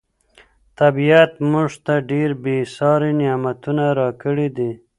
طبیعت موږ ته ډېر بې ساري نعمتونه راکړي دي.